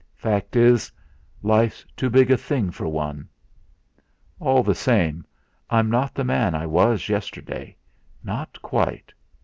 Fact is, life's too big a thing for one! All the same, I'm not the man I was yesterday not quite!'